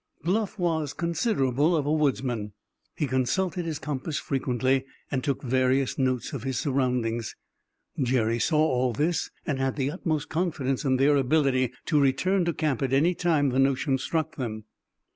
Bluff was considerable of a woodsman. He consulted his compass frequently, and took various notes of his surroundings. Jerry saw all this, and had the utmost confidence in their ability to return to camp at any time the notion struck them.